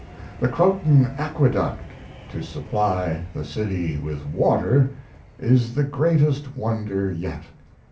The Croton Aqueduct, to supply the city with water, is the greatest wonder yet.